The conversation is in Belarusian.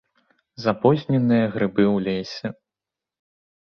Запозненыя грыбы ў лесе.